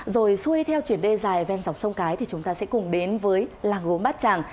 rồi xuôi theo triển đê dài ven dọc sông cái thì chúng ta sẽ cùng đến với làng gốm bát tràng